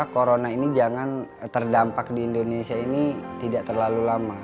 corona ini jangan terdampak di indonesia ini tidak terlalu lama